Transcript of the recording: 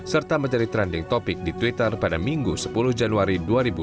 serta menjadi trending topic di twitter pada minggu sepuluh januari dua ribu dua puluh